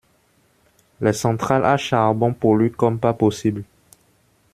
Les centrales à charbon polluent comme pas possible.